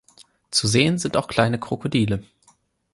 Zu sehen sind auch kleine Krokodile.